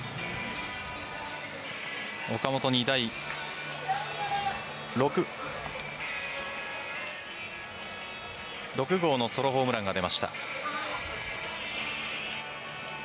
岡本に第６号のソロホームランが出ました。